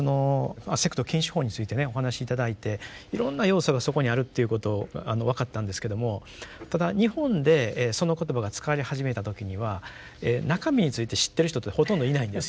お話し頂いていろんな要素がそこにあるっていうことが分かったんですけどもただ日本でその言葉が使われ始めた時には中身について知っている人ってほとんどいないんですよ。